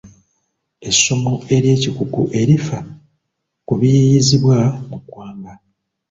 Essomo ery'ekikugu erifa ku biyiiyiizibwa mu ggwanga.